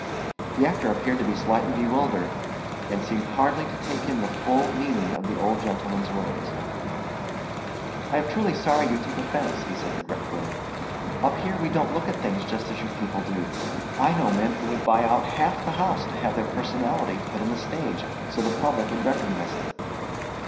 The actor appeared to be slightly bewildered, and seemed hardly to take in the full meaning of the old gentleman's words. "I am truly sorry you took offense," he said regretfully. "Up here we don't look at things just as you people do. I know men who would buy out half the house to have their personality put on the stage so the public would recognize it."